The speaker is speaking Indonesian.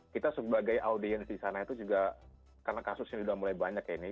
kita sebagai audiens di sana itu juga karena kasusnya sudah mulai banyak ya ini